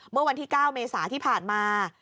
เมื่อวันที่๙เมษาที่ผ่านมา